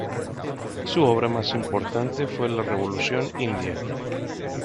Su obra más importante fue "La revolución india".